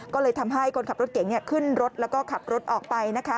ก็เลยทำให้คนขับรถเก๋งขึ้นรถแล้วก็ขับรถออกไปนะคะ